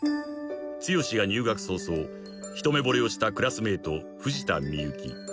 ［剛が入学早々一目ぼれをしたクラスメート藤田深雪］